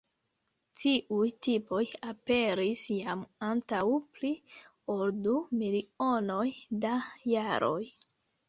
Tiuj tipoj aperis jam antaŭ pli ol du milionoj da jaroj.